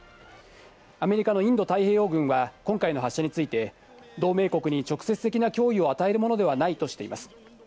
アメリカのインド太平洋軍は今回の発射について、同盟国に直接的な脅威を与えるものではないとしています。